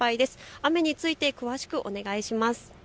雨について詳しくお願いします。